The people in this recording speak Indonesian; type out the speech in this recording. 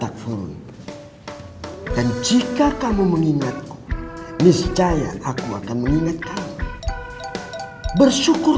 aku akan memberikan balasan kepada orang orang yang bersyukur